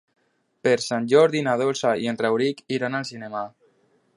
Per Sant Jordi na Dolça i en Rauric iran al cinema.